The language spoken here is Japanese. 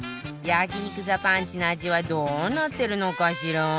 焼肉ザパンチの味はどうなってるのかしら？